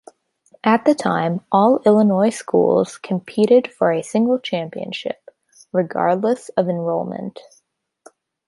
At the time, all Illinois schools competed for a single championship, regardless of enrollment.